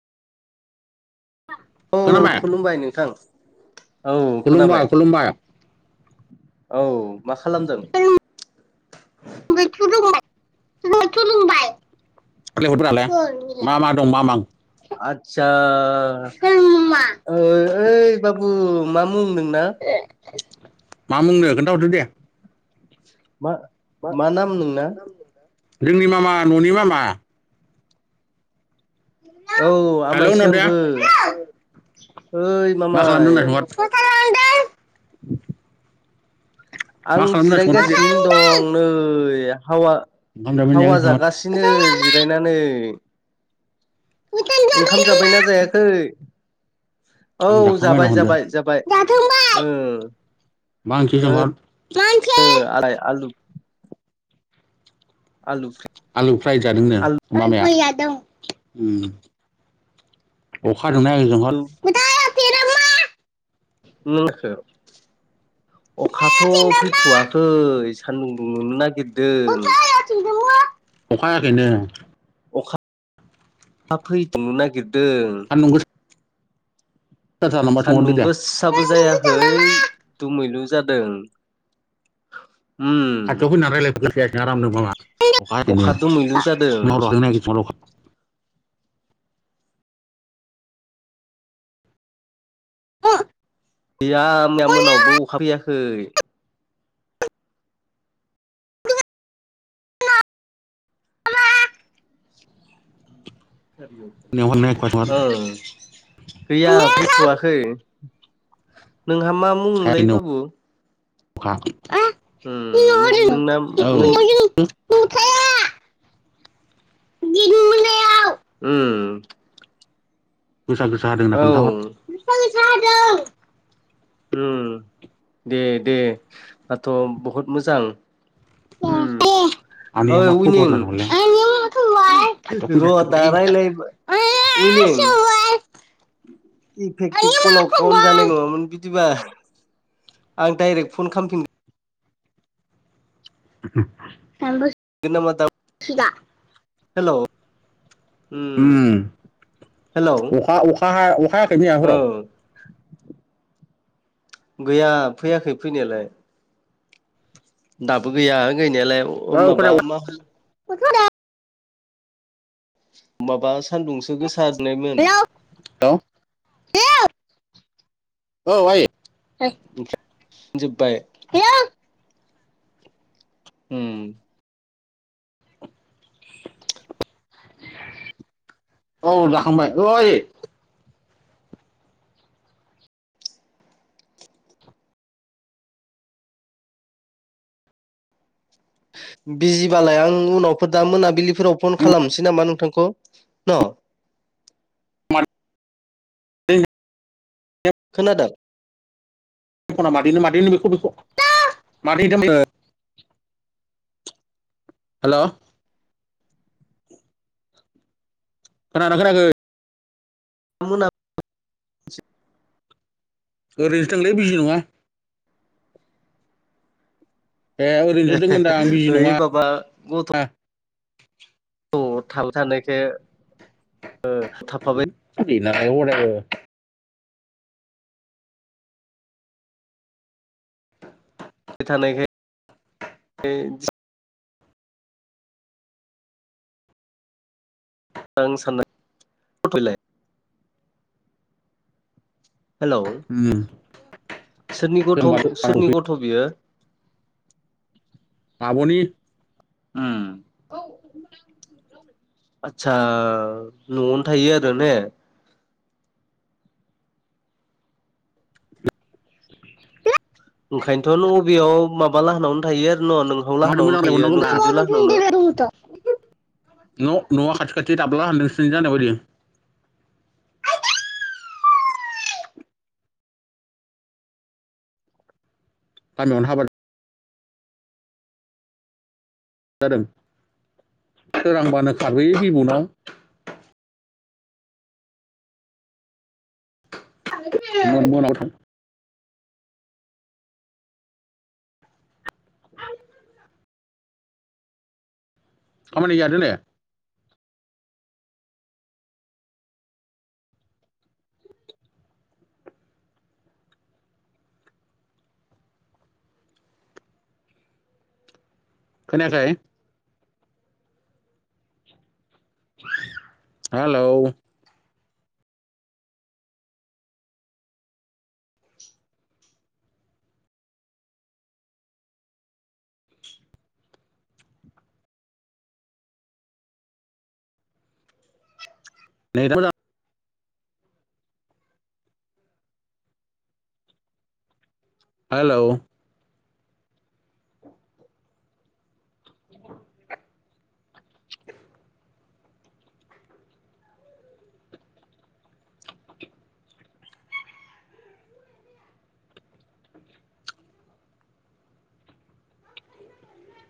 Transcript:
औ खोनाबाय खुलुमबाय नोंथां। औ खुलुमबाय खोनाबाय खुलुमबाय औ मा खालामदों? खुलुमबाय [unintelligible] [unintelligible] आतसा सोर मुङा ओ ओइ बाबु मा मुं नोंना? ए मा मुंनो खोन्थाहरदो दे मा मा नाम नोंना जोंनि मामा न'नि मामा औ आमायसो आंबो ओइ [unintelligible] मा मामाय खालामदो? मा आं खालामदों होनना सोंहरदो दे जिरायगासिनो दं। नै आ हावा ओंखाम जाबायना हावा जायाखै जागासिनो जिरायनानै। [unintelligible] ओंखाम सोंहर जाबायना जायाखै? आं औ जाखांबाय जाबाय होनना हरदो जाबाय जाबाय जाखांबाय ओं मा ओंखि सोंहर [unintelligible] ओ आदाय आलु। आलु ओंख्रि। आलु फ्राय जादोंनो मामाया आलुफ्राय जादों ओम अखा हादोंना हायाखै सोंहर [unintelligible] अखाथ' अखा फैथ'वाखै सान्दुं दुंनो नागिर अखा हखयाखै नामा अखा हायाखै नो। खा फैफिननो नागिरदों। [unintelligible] गोसाथार नामा सोंहरदो दे सान्दुंगोस साबबो जायाखै दुमैलु जादों। उम अखा दुमैलु जादों [unintelligible] [unintelligible] गैया मैया मोनावबो अखा फैयाखै। नायाखै सोंहर ओं अखा [unintelligible] गैया फैथ'वाखै नोंहा मा मुंमोनलै बाबु? उम [unintelligible] नोंना नों नुथाया दिनि मोनायाव उम गोसा गोसा हादों होन्ना औ खोन्थाहर गोसा गोसा हादों। उम दे दे दाथ' बहुद मोजां। उम आनैया ओइ मा खबर उनिं होनना सोंहरलाय आं खाथियाव फैनानै र' दा सोंहरलै रायलाय [unintelligible] उइनिं इफेक्टिभ आनैया मा कलाव कन जानाय खबर? नङामोन बिदिबा आं दाइरेक्ट फन खामफिन [unintelligible] [unintelligible] हेलौ उम हेलौ अखा अखा हा अखा हायाखै मैया औ हराव गैया फैयाखै फैनायालाय। दाबो गैया गैनायालाय। माबा मा ओं [unintelligible] माबा सान्दुंसो गोसा दुंनायमोन। [unintelligible] हेलौ औ आयै [unintelligible] [unintelligible] जोब्बाय हेलौ उम [inaudible] औ जाखांबाय औ आयै। बिजिबालाय आं उनावफोर दा मोनाबिलिफोराव फन खालामनोसै नामा नोंथांखौ न? [unintelligible] खोनादों? [unintelligible] मादैनो मादैनो बेखौ बेखौ मादैनो [unintelligible] हेलौ खोनादोंना खोनायाखै? [unintelligible] ओरैनोथो थोंलै बिजि नङा। ए ओरैनोसो दों होनदां आं बिजि [unintelligible] ओइ नङा बाबा गथ' औ थाबाय थानायखाइ ओ थाफाबाय [unintelligible] थानायखाय [unintelligible] आं साननाय [unintelligible] हेलौ उम सोरनि गथ' सोंबाथ' सोरनि गथ' बियो? आब'नि उम औ [unintelligible] आदसा न'आवनो थायो आरो ने? ओंखायनोथ' नों अबेयाव माबा लाहानावनो थायो आरो न' नोंहाव मारै मोजां लाहोनावनो थायो नोंखुनजो लाहानावनो। रायलायहरनांगौब्रा न' न'आ खाथि खाथि दाब्ला नोंसिनिजों आंनिदो बायदि। गामियावनो हाबा जादों सोरांबानो खारबोयो बिबौनाव। [unintelligible] म' मना गोथां [unintelligible] खामानि गैया दिनै? खोनायाखै? हेलौ नेदा मोजां हेलौ [unintelligible]